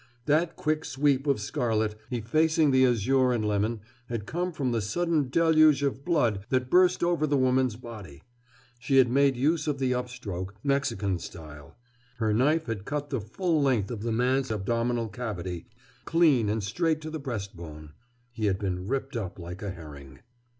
That quick sweep of scarlet, effacing the azure and lemon, had come from the sudden deluge of blood that burst over the woman's body. She had made use of the upstroke, Mexican style. Her knife had cut the full length of the man's abdominal cavity, clean and straight to the breastbone. He had been ripped up like a herring.